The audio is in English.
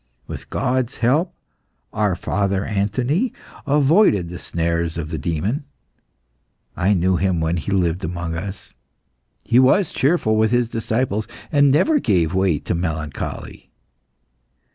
With God's help, our father Anthony avoided the snares of the demon. I knew him when he lived amongst us; he was cheerful with his disciples, and never gave way to melancholy.